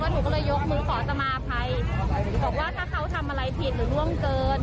หนูก็เลยยกมือขอสมาภัยบอกว่าถ้าเขาทำอะไรผิดหรือร่วงเกิน